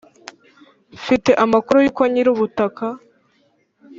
mfite amakuru yuko nyirubutaka